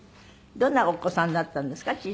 どんなお子さんだったんですか？